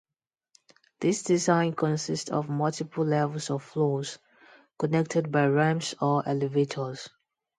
This design consists of multiple levels or floors, connected by ramps or elevators.